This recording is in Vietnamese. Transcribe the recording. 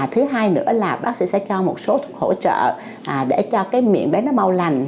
thứ hai nữa là bác sĩ sẽ cho một số hỗ trợ để cho cái miệng bé nó mau lành